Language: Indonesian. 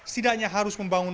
setidaknya harus membangun